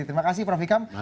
terima kasih profi kam